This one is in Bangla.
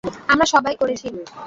আমরা সবাই করেছি।